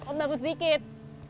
oh baru sedikit